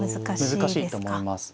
難しいと思います。